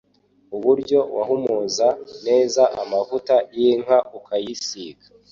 Uburyo wahumuza neza amavuta y'inka ukayisiga